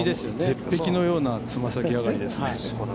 絶壁のようなつま先上がりですね。